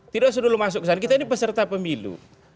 tidak usah dulu masuk ke sana kita ini peserta pemilu